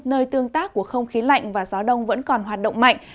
nơi tương tác của không khí lạnh và gió đông vẫn còn hoạt động mạnh